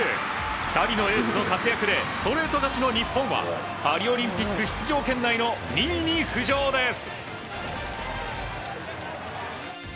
２人のエースの活躍でストレート勝ちの日本はパリオリンピック出場圏内の２位に浮上です。